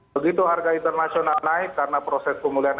begitu harga internasional naik karena proses pemulihan